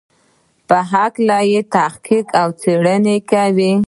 په هکله یې تحقیق او څېړنه کوي.